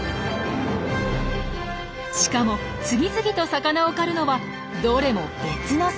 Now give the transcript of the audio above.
しかも次々と魚を狩るのはどれも別のサル。